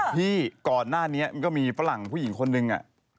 พี่ก่อนหน้านี้มันก็มีฝรั่งผู้หญิงคนนึง